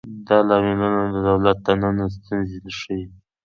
دا لاملونه د دولت دننه ستونزې ښيي.